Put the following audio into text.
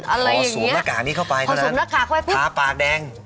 อบนั่งฝนกากเข้าไปเท่านั้นทาปากแดง